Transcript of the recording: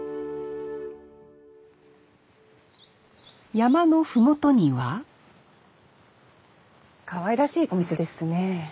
山の麓にはかわいらしいお店ですね。